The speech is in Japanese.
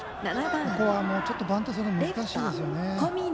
ここは、バントするの難しいですよね。